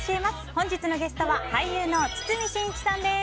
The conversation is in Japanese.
本日のゲストは俳優の堤真一さんです。